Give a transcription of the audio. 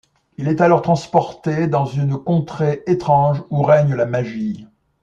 Il est alors transporté dans une contrée étrange où règne la Magie.